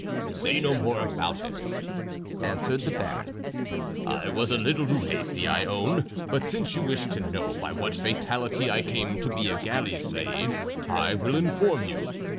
"Say no more about it," answered the Baron. "I was a little too hasty, I own, but since you wish to know by what fatality I came to be a galley slave I will inform you.